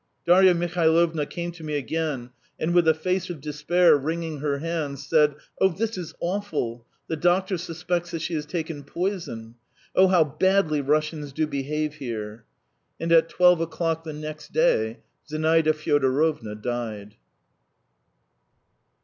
Darya Mihailovna came to me again and with a face of despair, wringing her hands, said: "Oh, this is awful! The doctor suspects that she has taken poison! Oh, how badly Russians do behave here!" And at twelve o'clock the next day Zinaida Fyodorovna died.